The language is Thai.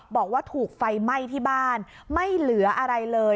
บอกว่าถูกไฟไหม้ที่บ้านไม่เหลืออะไรเลย